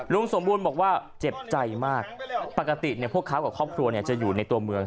สมบูรณ์บอกว่าเจ็บใจมากปกติพวกเขากับครอบครัวจะอยู่ในตัวเมือง